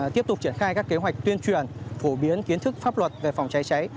tiếp tục triển khai các kế hoạch tuyên truyền phổ biến kiến thức pháp luật về phòng cháy cháy